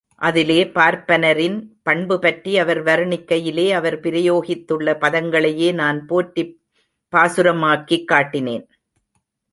அதிலே, பார்ப்பனரின் பண்பு பற்றி அவர் வருணிக்கையிலே, அவர் பிரயோகித்துள்ள பதங்களையே நான் போற்றிப் பாசுரமாக்கிக் காட்டினேன்.